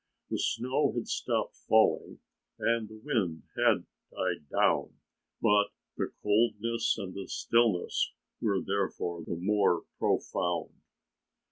The snow had stopped falling and the wind had died down, but the coldness and the stillness were therefore the more profound.